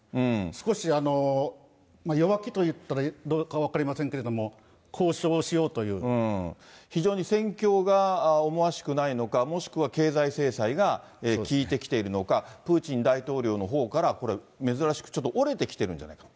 少し弱気といったらどうか分かりませんけれども、交渉しようとい非常に戦況が思わしくないのか、もしくは経済制裁が効いてきているのか、プーチン大統領のほうからこれ、珍しくちょっと折れてきてるんじゃないか。